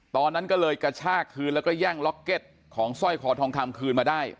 ตอนนั้นก็เลยกระชากคืนแล้วก็แย่งล็อกเก็ตของสร้อยคอทองคำคืนมาได้